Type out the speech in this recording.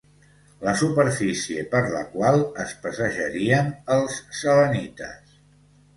La superfície per la qual es passejarien els selenites.